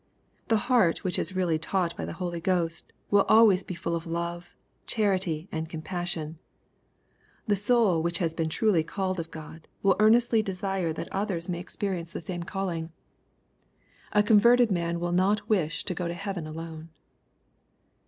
The heart which is really taught by the Holy Ghost, will always be full of love, charity, and compassion. The soul which has been truly called of God, will earnestly desire that others may experioiu^e A 150 EXPOSITORY THOUGHTS. the same calling. A converted man will not wish to go to heaven alone.